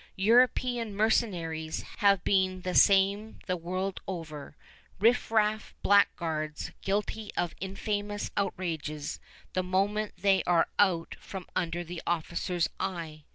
European mercenaries have been the same the world over, riffraff blackguards, guilty of infamous outrages the moment they are out from under the officers' eye.